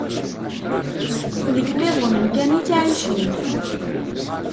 Deg iqiḍunen kan i ttɛicin.